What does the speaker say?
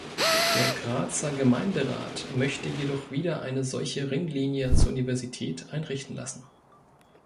Der Grazer Gemeinderat möchte jedoch wieder eine solche Ringlinie zur Universität einrichten lassen.